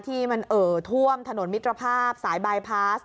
ที่มันเอ่อท่วมถนนมิตรภาพสายบายพาส